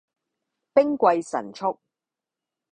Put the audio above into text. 兵貴神速